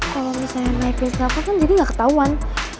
kalo misalnya my friends nelfon kan jadi gak ketauan